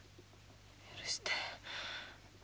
許して。